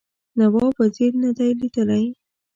نواب وزیر نه دی لیدلی.